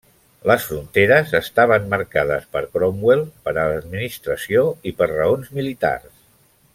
Les fronteres estaven marcades per Cromwell per a l'administració i per raons militars.